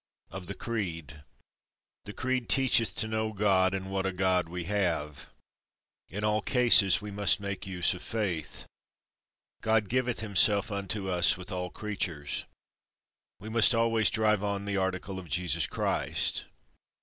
Of the Creed. The Creed teacheth to know God, and what a God we have. In all cases we must make use of faith. God giveth himself unto us with all creatures. We must always drive on the article of Jesus Christ.